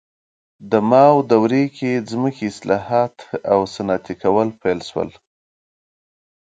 د ماو دورې کې ځمکې اصلاحات او صنعتي کول پیل شول.